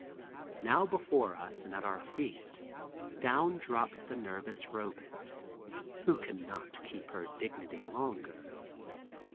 Now before us and at our feet down drops the nervous Robet, who cannot keep her dignity longer.